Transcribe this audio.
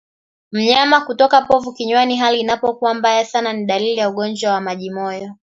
Mnyama kutoka povu kinywani hali inapokuwa mbaya sana ni dalili ya ugonjwa wa majimoyo